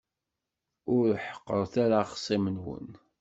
Ur ḥeqqṛet ara axṣim-nwen.